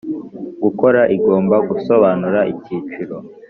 gukora igomba gusobanura icyiciro